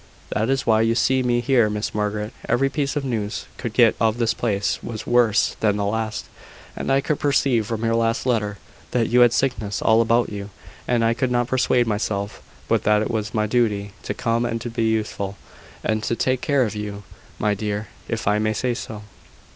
"That is why you see me here, Miss Margaret. Every piece of news I could get of this place was worse than the last; and I could perceive from your last letter, that you had sickness all about you; and I could not persuade myself but that it was my duty to come and be useful, and to take care of you, my dear, if I may say so."